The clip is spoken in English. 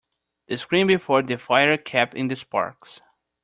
The screen before the fire kept in the sparks.